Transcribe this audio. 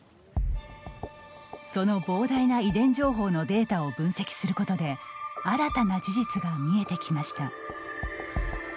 その膨大な遺伝情報のデータを分析することで新たな事実が見えてきました。